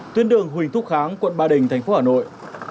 tuyến đường huỳnh thúc kháng quận ba đình tp hà nội